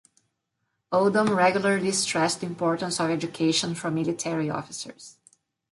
Odom regularly stressed the importance of education for military officers.